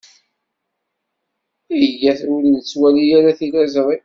Iyyat ur nettwali ara tiliẓri.